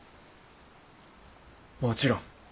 もちろん。